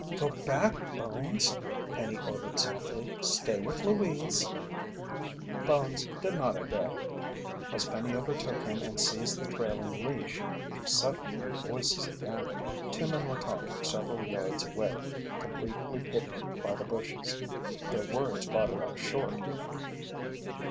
"Go back, Bones," Penny ordered softly. "Stay with Louise!" Bones did not obey. As Penny overtook him and seized the trailing leash, she suddenly heard voices again. Two men were talking several yards away, completely hidden by the bushes. Their words brought her up short.